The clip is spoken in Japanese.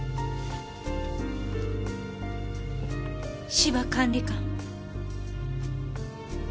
芝管理官。